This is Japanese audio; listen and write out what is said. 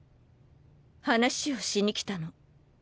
話をしに来たの。